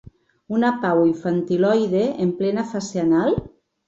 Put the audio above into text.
Una pau infantiloide en plena fase anal?